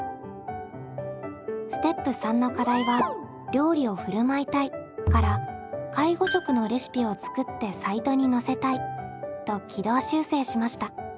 ステップ３の課題は「料理をふるまいたい」から「介護食のレシピを作ってサイトにのせたい」と軌道修正しました。